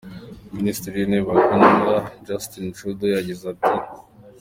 Minisitiri w'Intebe wa Canada, Justin Trudeau yagize ati:.